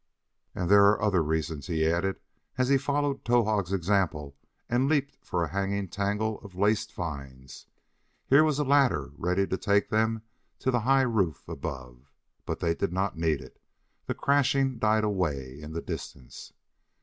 "And there are other reasons," he added as he followed Towahg's example and leaped for a hanging tangle of laced vines. Here was a ladder ready to take them to the high roof above, but they did not need it; the crashing died away in the distance.